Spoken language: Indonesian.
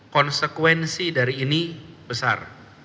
konsekuensi dari ini besar